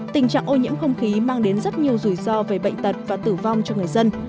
tình trạng ô nhiễm không khí mang đến rất nhiều rủi ro về bệnh tật và tử vong cho người dân